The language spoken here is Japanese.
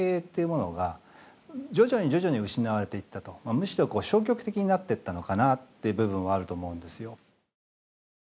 むしろ消極的になってったのかなっていう部分はあると思うんですよ。